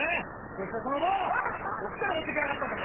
どっから持ってきやがったんだ。